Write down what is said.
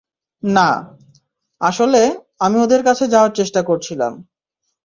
না, আসলে, আমি ওদের কাছে যাওয়ার চেষ্টা করছিলাম।